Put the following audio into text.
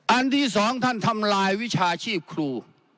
อันที่สองท่านทำลายวิชาชีพครู